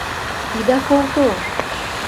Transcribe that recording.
Ида колто!